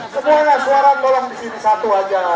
semuanya suara tolong disini satu aja